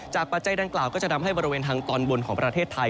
จากประเศษด้านกล่าวก็จะทำให้บริเวณทางตอนบนของประเทศไทย